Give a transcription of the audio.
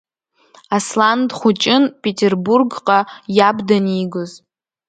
Аслан дхәыҷын Петербургҟа иаб данигоз.